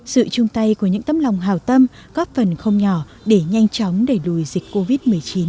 sự chung tay của những tâm lòng hào tâm góp phần không nhỏ để nhanh chóng đẩy đuổi dịch covid một mươi chín